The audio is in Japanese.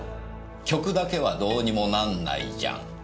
「曲だけはどうにもなんないじゃん」。